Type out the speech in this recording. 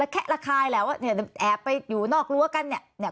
แคะระคายแหละว่าแอบไปอยู่นอกรั้วกันเนี่ย